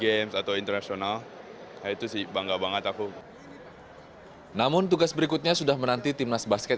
games atau internasional itu sih bangga banget aku namun tugas berikutnya sudah menanti timnas basket